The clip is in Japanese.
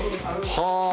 はあ！